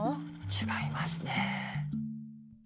違いますね。